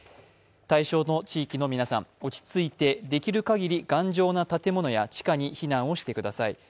対象の地域の皆さん、落ち着いて、できるかぎり頑丈な建物や地下に避難をしてください。